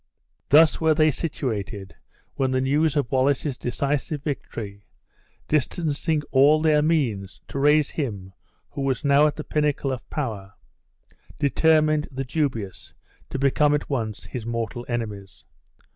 Thus were they situated, when the news of Wallace's decisive victory, distancing all their means to raise him who was now at the pinnacle of power, determined the dubious to become at once his mortal enemies.